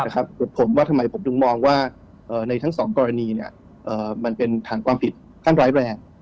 คือผมว่าทำไมผมถึงมองว่าในทั้งสองกรณีมันเป็นฐานความผิดขั้นร้ายแรง